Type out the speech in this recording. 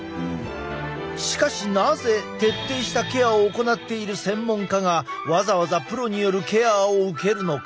しかしなぜ徹底したケアを行っている専門家がわざわざプロによるケアを受けるのか？